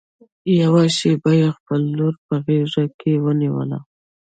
يوه شېبه يې خپله لور په غېږ کې ونيوله.